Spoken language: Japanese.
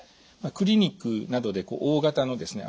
クリニックなどで大型のですね